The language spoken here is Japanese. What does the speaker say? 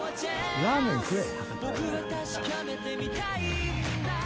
ラーメン食え。